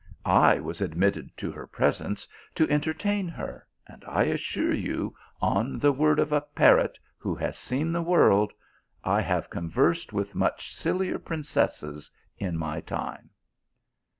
I was admitted to her presence to entertain her, and I assure you, on *he word of a parrot who has seen the world, 1 have conversed with much sillier princesses in my time."